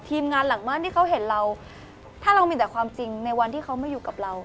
ทีมงานหลังบ้านที่เขาเห็นเราถ้าเรามีแต่ความจริงในวันที่เขามาอยู่กับเรา